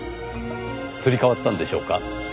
すり替わったんでしょうか。